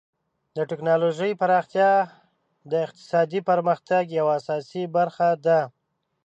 د ټکنالوژۍ پراختیا د اقتصادي پرمختګ یوه اساسي برخه ده.